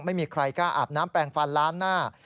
ไม่มีใครกล้าอาบน้ำแปลงฟันล้านหน้า